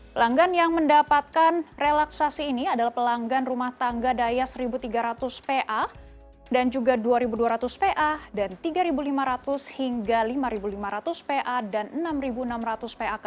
pelanggan yang mendapatkan relaksasi ini adalah pelanggan rumah tangga daya rp satu tiga ratus dan juga rp dua dua ratus dan rp tiga lima ratus hingga rp lima lima ratus dan rp enam